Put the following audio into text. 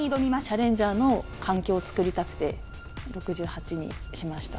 チャレンジャーの環境を作りたくて、６８にしました。